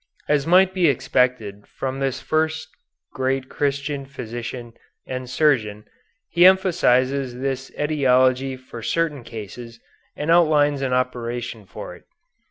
As might be expected from this first great Christian physician and surgeon, he emphasizes this etiology for certain cases, and outlines an operation for it.